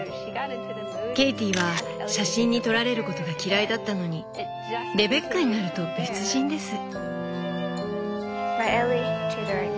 ケイティは写真に撮られることが嫌いだったのにレベッカになると別人です。